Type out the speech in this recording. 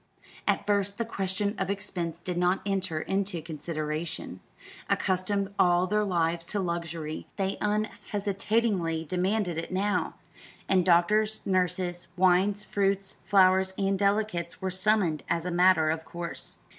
At first the question of expense did not enter into consideration. Accustomed all their lives to luxury, they unhesitatingly demanded it now; and doctors, nurses, wines, fruits, flowers, and delicacies were summoned as a matter of course.